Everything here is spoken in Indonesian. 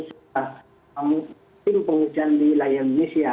sudah musim penghujan di wilayah indonesia